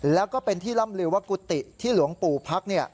แล้วก็เป็นที่ล่ำลือว่ากุฏิที่หลวงปู่พัก